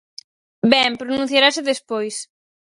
Ben, pronunciarase despois.